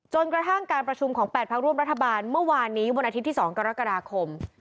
กระทั่งการประชุมของ๘พักร่วมรัฐบาลเมื่อวานนี้วันอาทิตย์ที่๒กรกฎาคม